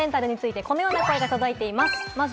不用品のレンタルについてこのような声が届いています。